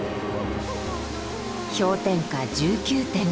氷点下１９．５℃。